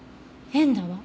変だわ。